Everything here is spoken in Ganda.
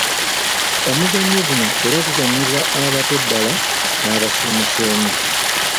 Omuzannyo guno era guzannyibwa abato ddala n’abasuumuuseemu.